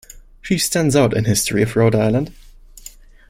She stands out in History of Rhode Island.